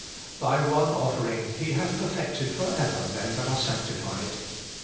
' By one offering He hath perfected for ever them that are sanctified.'